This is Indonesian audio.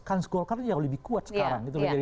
chance golkar itu yang lebih kuat sekarang gitu